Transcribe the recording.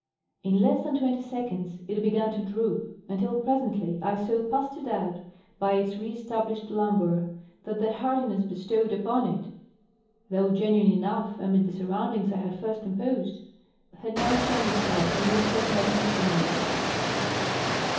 In less than twenty seconds it b^an to droop, until presently I saw past a doubt, by its re established languor, that the hardiness bestowed upon it, though genuine enough amid the surroundings I had first imposed, had now shown itself a most evanescent stimulus.